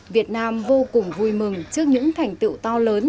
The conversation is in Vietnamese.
việt nam vô cùng vui mừng trước những thành tựu to lớn